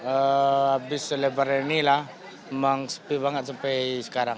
abis lebaran ini lah memang sepi banget sampai sekarang